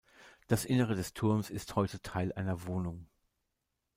Das Innere des Turms ist heute Teil einer Wohnung.